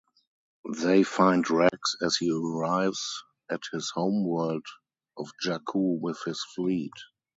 They find Rax as he arrives at his homeworld of Jakku with his fleet.